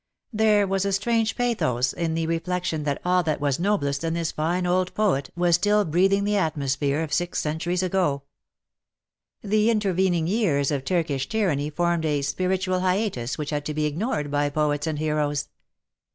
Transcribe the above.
There was a strange pathos in the reflection that all that was noblest in this fine old poet, was still breathing the atmosphere of six cen turies ago. The intervening years of Turkish tyranny formed a spiritual hiatus which had to be ignored by poets and heroes.